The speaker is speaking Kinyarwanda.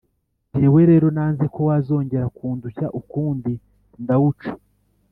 jyewe rero, nanze ko wazongera kundushya ukundi ndawuca.